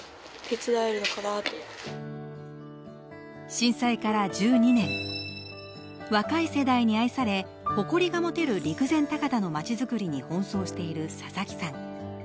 震災から１２年、若い世代に愛され、誇りが持てる陸前高田の街づくりに奔走している佐々木さん。